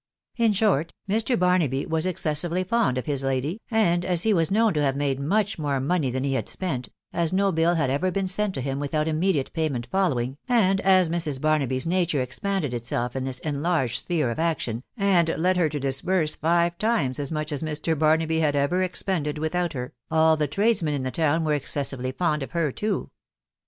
In short, Mr. Barnaby was excessively fond of his lady, and as he was known to have made much mora \&at\^ *CfcaxvV^ had spent, as no biU had ever been sent to Yam WOassv^ Vsoe mediate payment foJlowing, and a» Mxa, T&woiXsf % to&ksm. «*»■ 42 TOE WIDOW BARKABT panded itself in this1 enlarged sphere of action, and led her to disburse fire times us much as Mr. Barnafty had ever ex pended without her, all the tradesmen in the town were exces sively fond of her1 too.